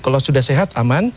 kalau sudah sehat aman